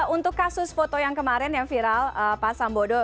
untuk kasus foto yang kemarin yang viral pak sambodo